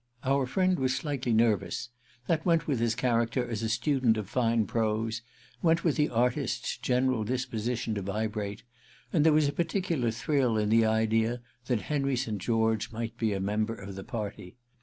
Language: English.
Our friend was slightly nervous; that went with his character as a student of fine prose, went with the artist's general disposition to vibrate; and there was a particular thrill in the idea that Henry St. George might be a member of the party.